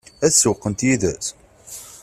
Ad sewweqent yid-s?